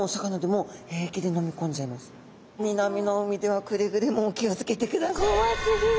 南の海ではくれぐれもお気を付けてください。